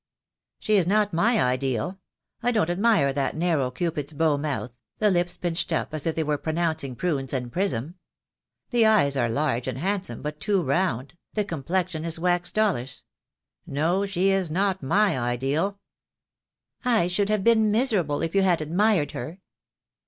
"She is not my ideal. I don't admire that narrow Cupid's bow mouth, the lips pinched up as if they were pronouncing 'prunes and prism.' The eyes are large and handsome, but too round, the complexion is wax dollish. No, she is not my ideal." "I should have been miserable if you had admired her."